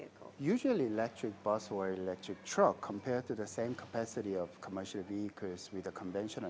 biasanya bus atau kereta elektrik berbanding dengan kapasitas komersial dengan mesin konvensional